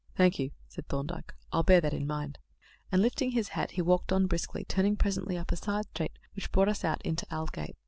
"Thank you," said Thorndyke; "I'll bear that in mind;" and, lifting his hat, he walked on briskly, turning presently up a side street which brought us out into Aldgate.